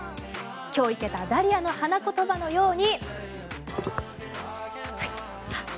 今日生けたダリアの花言葉のように・